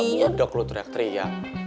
kalau gak budak lu teriak teriak